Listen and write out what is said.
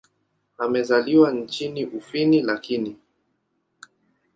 Amezaliwa nchini Ufini lakini.